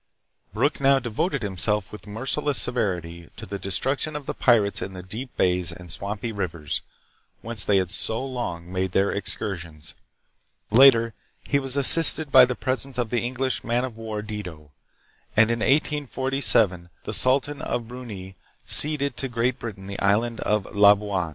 Brooke now devoted himself with merciless severity to the destruction of the pirates in the deep bays and swampy rivers, whence they had so long made their excursions. Later he was assisted by the presence of the English man of war " Dido," and in 1847 the sultan of Brunei ceded to Great Britain the island of Labuan.